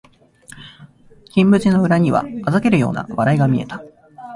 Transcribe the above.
金縁の裏には嘲るような笑いが見えた